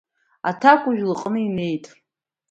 Аҭакәажә лыҟны инеит.